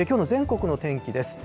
きょうの全国の天気です。